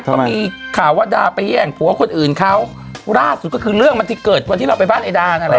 ก็มีข่าวว่าดาไปแย่งผัวคนอื่นเขาล่าสุดก็คือเรื่องมันที่เกิดวันที่เราไปบ้านไอ้ดานั่นแหละ